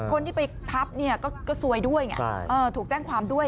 คนที่ไปทับก็ซวยด้วยถูกแจ้งความด้วย